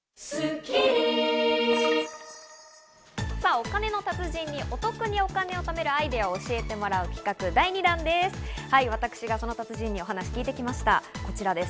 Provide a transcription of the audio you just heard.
お金の達人にお得にお金を貯めるアイデアを教えてもらう企画第２弾です。